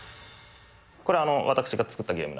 これ、私が作ったゲーム